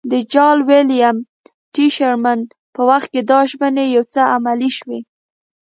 د جال ویلیم ټي شرمن په وخت کې دا ژمنې یو څه عملي شوې.